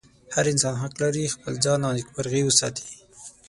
هر انسان حق لري خپل ځان او نېکمرغي وساتي.